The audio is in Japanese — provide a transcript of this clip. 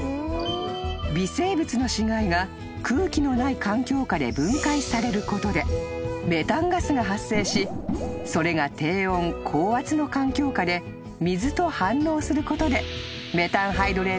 ［微生物の死骸が空気のない環境下で分解されることでメタンガスが発生しそれが低温高圧の環境下で水と反応することでメタンハイドレートが作られる］